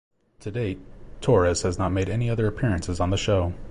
To date, Torres has not made any other appearances on the show.